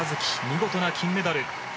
見事な金メダル。